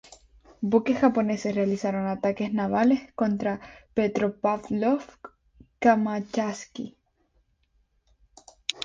Buques japoneses realizaron ataques navales contra Petropavlovsk-Kamchatsky.